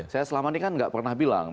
saya selama ini kan nggak pernah bilang